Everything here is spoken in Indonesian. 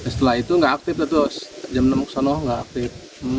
setelah itu nggak aktif jam enam kesana nggak aktif